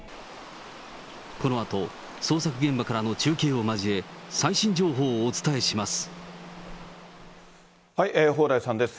このあと捜索現場からの中継を交え、最新情報をお伝えします。